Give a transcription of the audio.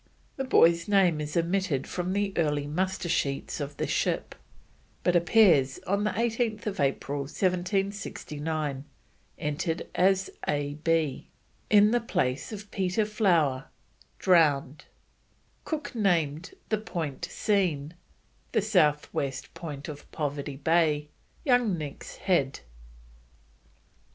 The boy's name is omitted from the early muster sheets of the ship, but appears on 18th April 1769, entered as A.B. in the place of Peter Flower, drowned. Cook named the point seen, the south west point of Poverty Bay, Young Nick's Head.